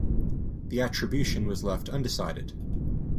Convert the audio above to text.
The attribution was left undecided.